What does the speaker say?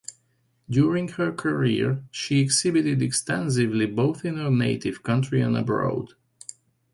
During her career she exhibited extensively both in her native country and abroad.